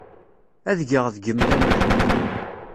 Ad geɣ deg-m laman.